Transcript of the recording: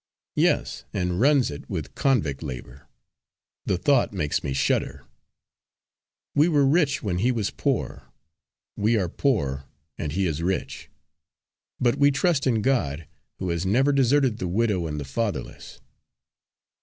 "Yes, and runs it with convict labour! The thought makes me shudder! We were rich when he was poor; we are poor and he is rich. But we trust in God, who has never deserted the widow and the fatherless.